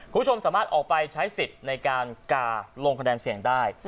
คุณผู้ชมสามารถออกไปใช้สิทธิ์ในการกาลงคะแนนเสียงได้